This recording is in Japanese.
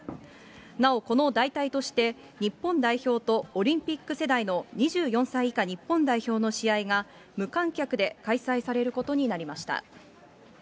なお、この代替として、日本代表とオリンピック世代の２４歳以下日本代表の試合が、無観客で開催されることになりました。